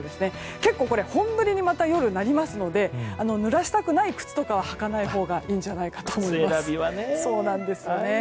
夜は結構本降りになりますのでぬらしたくない靴とかは履かないほうがいいんじゃないかと思います。